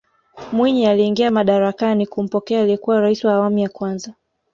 mwinyi aliingia madarakani kumpokea aliyekuwa raisi wa awamu ya kwanza